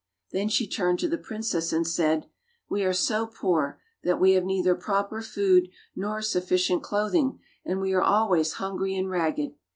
Then she turned to the princess and said : "We are so poor that we have neither proper food nor sufficient clothing, and we are al ways hungry and ragged.